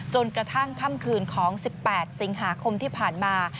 กระทั่งค่ำคืนของ๑๘สิงหาคมที่ผ่านมา